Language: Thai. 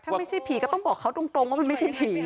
ถ้าไม่ใช่ผีก็ต้องบอกเขาตรงว่ามันไม่ใช่ผี